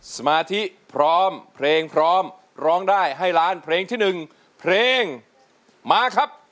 สมาธิพร้อมเพลงพร้อมร้องได้ให้ล้านเพลงที่๑เพลงมาครับ